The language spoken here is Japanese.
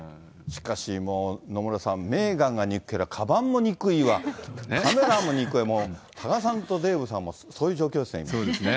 しかしもう野村さん、メーガンが憎ければかばんも憎いわ、カメラも憎いわ、多賀さんとデーブさんもそういう状況ですね、今そうですね。